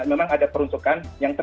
memang ada peruntukan